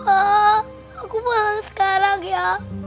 ma aku malang sekarang ya